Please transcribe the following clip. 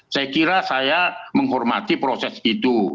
saya kira saya menghormati proses itu